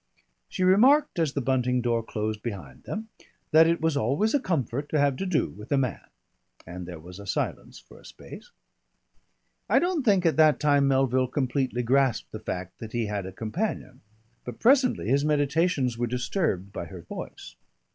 She remarked, as the Bunting door closed behind them, that it was always a comfort to have to do with a man; and there was a silence for a space. I don't think at that time Melville completely grasped the fact that he had a companion. But presently his meditations were disturbed by her voice.